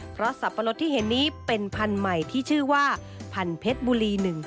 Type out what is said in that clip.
เพราะสับปะรดที่เห็นนี้เป็นพันธุ์ใหม่ที่ชื่อว่าพันเพชรบุรี๑๒